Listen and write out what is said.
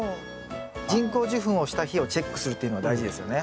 人工授粉をした日をチェックするっていうのは大事ですよね。